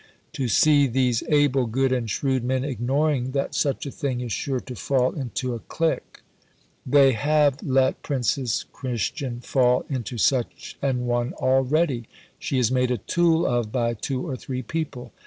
to see these able, good, and shrewd men ignoring that such a thing is sure to fall into a clique. They have let Princess Christian fall into such an one already. She is made a tool of by two or three people.